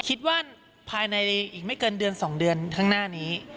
คิดว่าภายในอีกไม่เกินเดือน๒เดือนข้างหน้านี้